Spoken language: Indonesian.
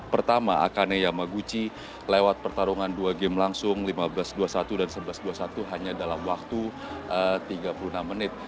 pertama akane yamaguchi lewat pertarungan dua game langsung lima belas dua puluh satu dan sebelas dua puluh satu hanya dalam waktu tiga puluh enam menit